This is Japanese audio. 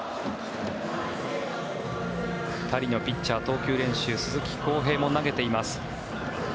２人のピッチャー、投球練習鈴木康平も投げています。